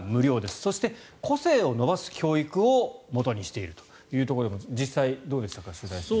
そして、個性を伸ばす教育をもとにしているということで実際、どうですか取材して。